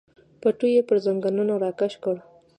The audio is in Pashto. پټو یې پر زنګنونو راکش کړ.